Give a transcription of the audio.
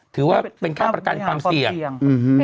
ถือว่าเป็นค่าประกันความเสี่ยง